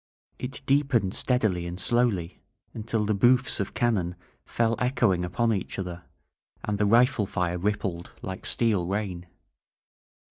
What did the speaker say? It deepened steadily and slowly, until the booffs of cannon fell echoing upon each other, and the rifle fire rippled like steel rain.